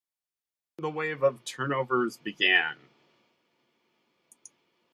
Then the wave of turnovers began.